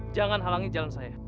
jangan halangi jalan saya